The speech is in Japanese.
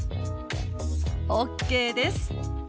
ＯＫです！